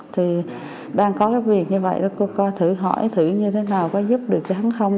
thì đang có việc như vậy cô coi thử hỏi thử như thế nào có giúp được chẳng không